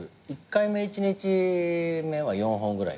１回目１日目は４本ぐらいかな